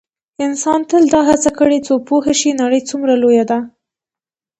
انسان تل دا هڅه کړې څو پوه شي نړۍ څومره لویه ده.